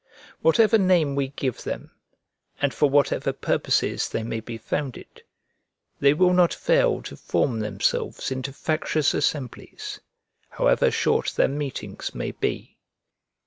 Whatever name we give them, and for whatever purposes they may be founded, they will not fail to form themselves into factious assemblies, however short their meetings may be.